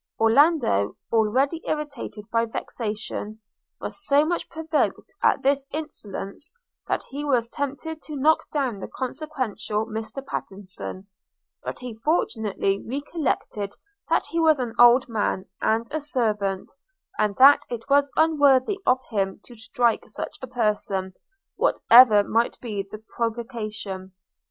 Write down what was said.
– Orlando, already irritated by vexation, was so much provoked at this insolence, that he was tempted to knock down the consequential Mr. Pattenson; but he fortunately recollected that he was an old man, and a servant, and that it was unworthy of him to strike such a person, whatever might be the provocation.